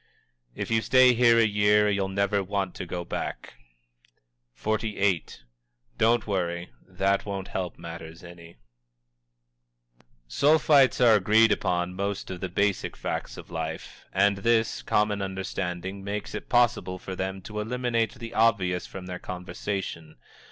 "If you stay here a year you'll never want to go back." XLVIII. "Don't worry; that won't help matters any." Sulphites are agreed upon most of the basic facts of life, and this common understanding makes it possible for them to eliminate the obvious from their conversation.